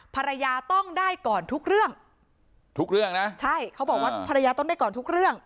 ภรรยาต้องได้ก่อนทุกเรื่องทุกเรื่องนะใช่เขาบอกว่าภรรยาต้องได้ก่อนทุกเรื่อง